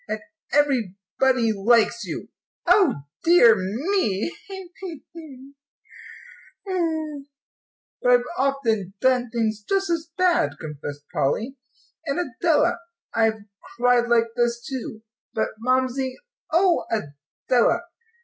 And everybody likes you. O dear me tee hee boo hoo!" "But I've often done things just as bad," confessed Polly, "and, Adela, I've cried like this, too. But Mamsie oh, Adela!